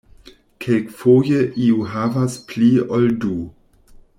Kelkfoje iu havas pli ol du.